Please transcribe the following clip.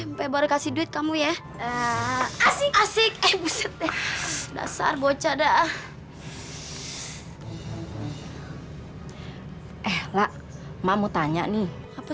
mp baru kasih duit kamu ya asik asik eh buset deh dasar bocah dah eh mak mau tanya nih apa